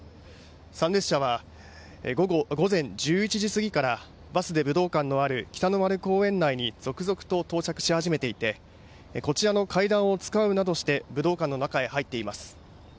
参列者は午前１１時過ぎからバスで武道館のある北の丸公園内に続々と到着し始めていて、こちらの階段を使うなどして武道館の中へ入っています。